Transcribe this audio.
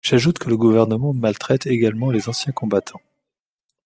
J’ajoute que le Gouvernement maltraite également les anciens combattants.